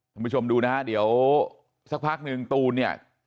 คุณผู้ชมดูนะฮะเดี๋ยวสักพักหนึ่งตูนเนี่ย